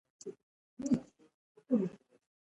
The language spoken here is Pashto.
هندوکش د افغانستان په هره برخه کې موندل کېږي.